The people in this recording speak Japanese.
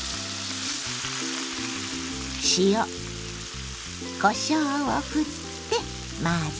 塩こしょうをふって混ぜて。